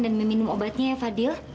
dan meminum obatnya ya fadil